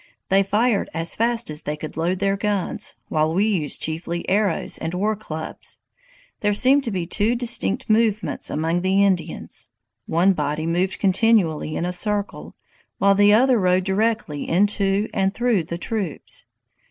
They fired as fast as they could load their guns, while we used chiefly arrows and war clubs. There seemed to be two distinct movements among the Indians. One body moved continually in a circle, while the other rode directly into and through the troops.